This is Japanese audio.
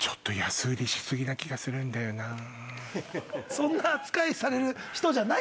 そんな扱いされる人じゃない。